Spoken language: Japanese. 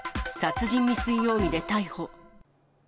殺人未遂容疑で逮捕。